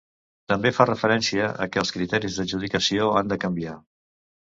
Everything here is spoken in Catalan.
També fa referència a que els criteris d’adjudicació han de canviar.